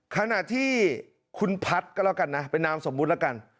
ขณะที่คุณพัฒน์ก็แล้วกันนะเป็นนามสมมุติแล้วกัน